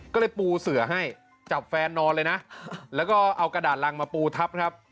ก็เลยปูเสือให้จับแฟนนอนเลยนะแล้วก็เอากระดาษรังมาปูทับครับ